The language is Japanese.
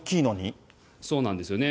そうなんですよね。